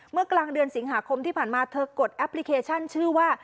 เมื่อกลางเดือนสิงหาคมที่ผ่านมาเธอกดแอปพลิเคชันชื่อว่า